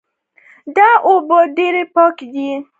دا اوبه ډېرې پاکې دي